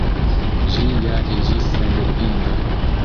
Ĝi ja iĝis sendependa.